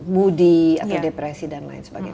moody atau depresi dan lain sebagainya